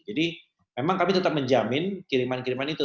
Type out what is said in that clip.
jadi memang kami tetap menjamin kiriman kiriman itu